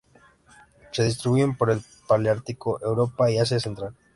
Se distribuyen por el paleártico: Europa y Asia Central.